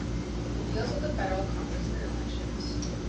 It deals with the federal congressmen elections.